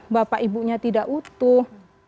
bapak ibunya tidak utuh